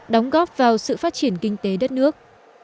đóng góp vào sự phát triển kinh tế đất nước